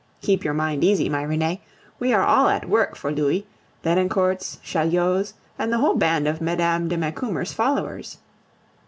Keep your mind easy, my Renee we are all at work for Louis, Lenoncourts, Chaulieus, and the whole band of Mme. de Macumer's followers.